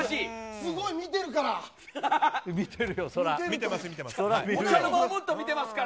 すごい見てるから！